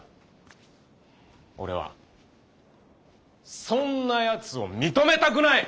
俺はそんなやつを認めたくない！